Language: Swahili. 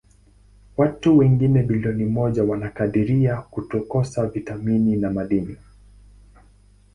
Watu wengine bilioni moja wanakadiriwa kukosa vitamini na madini.